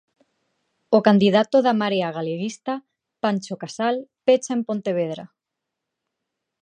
O candidato da Marea Galeguista, Pancho Casal, pecha en Pontevedra.